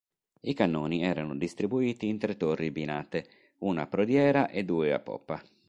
I cannoni erano distribuiti in tre torri binate, una prodiera e due a poppa.